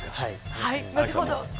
後ほど。